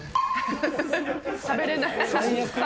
食べれない？